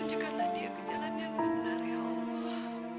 rujukanlah dia ke jalan yang benar ya allah